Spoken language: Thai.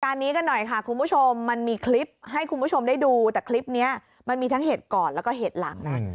นี้กันหน่อยค่ะคุณผู้ชมมันมีคลิปให้คุณผู้ชมได้ดูแต่คลิปนี้มันมีทั้งเหตุก่อนแล้วก็เหตุหลังนะ